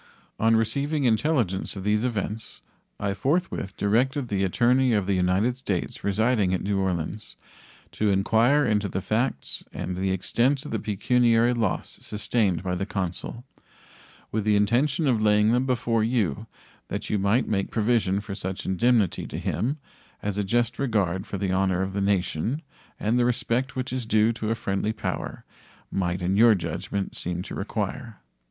On receiving intelligence of these events I forthwith directed the attorney of the United States residing at New Orleans to inquire into the facts and the extent of the pecuniary loss sustained by the consul, with the intention of laying them before you, that you might make provision for such indemnity to him as a just regard for the honor of the nation and the respect which is due to a friendly power might, in your judgment, seem to require.